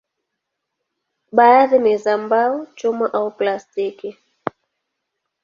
Baadhi ni za mbao, chuma au plastiki.